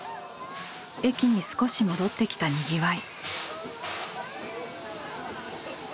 駅に少し戻ってきたにぎわい。